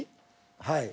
はい。